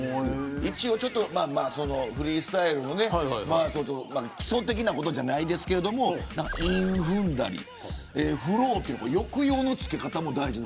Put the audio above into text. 一応フリースタイルの基礎的なことじゃないですけど韻踏んだりフロウ、抑揚の付け方も大事。